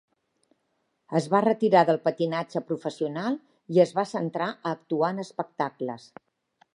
Es va retirar del patinatge professional i es va centrar a actuar en espectacles.